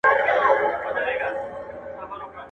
وګړي ډېر سول د نیکه دعا قبوله سوله.